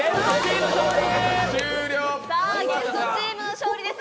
ゲストチームの勝利です